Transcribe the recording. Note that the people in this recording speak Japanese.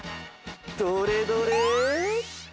どれどれ？